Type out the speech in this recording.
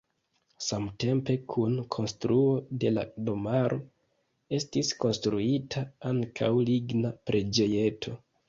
Samtempe kun konstruo de la domaro estis konstruita ankaŭ ligna preĝejeto.